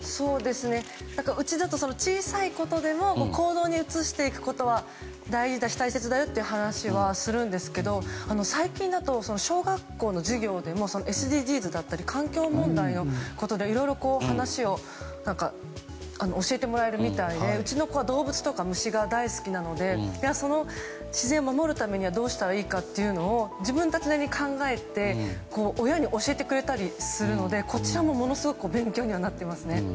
うちだと小さいことでも行動に移していくことは大事だし大切だよという話はするんですけど最近だと小学校の授業でもＳＤＧｓだったり環境問題のことで、いろいろ話を教えてもらえるみたいでうちの子は動物とか虫が大好きなのでその自然を守るためにはどうしたらいいかというのを自分たちなりに考えて親に教えてくれたりするのでこちらも、ものすごく勉強になっていますね。